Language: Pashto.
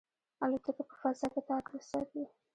الوتکه په فضا کې تعادل ساتي.